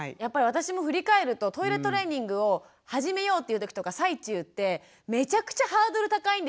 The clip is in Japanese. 私も振り返るとトイレトレーニングを始めようというときとか最中ってめちゃくちゃハードル高いんですよ